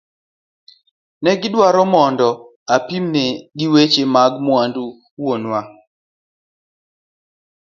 Negi dwaro mondo apimne gi weche mag mwandu wuonwa.